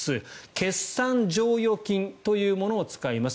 決算剰余金というものを使います